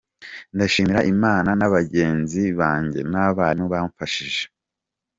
Ndashimira Imana na bagenzi banjye n’abarimu bamfashije.